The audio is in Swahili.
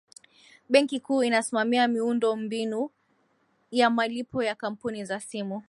benki kuu inasimamia miundombinu ya malipo ya kampuni za simu